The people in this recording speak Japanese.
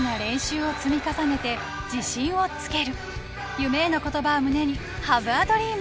夢への言葉を胸にハブアドリーム！